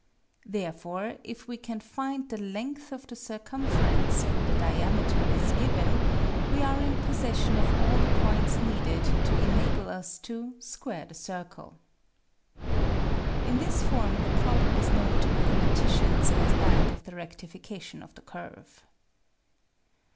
Therefore if we can find the length of the circumference when the diameter is given, we are in possession of all the points needed to enable us to " square the circle." In this form the problem is known to mathematicians as that of the rectification of the curve.